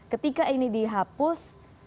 ketika ini dihapus